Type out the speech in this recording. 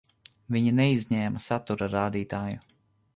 Viņi neizņēma satura rādītāju.